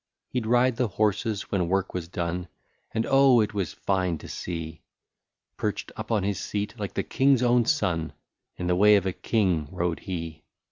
He 'd ride the horses when work was done, And oh ! it was fine to see !— Perched up on his seat, like the King's own son. In the way of a King rode he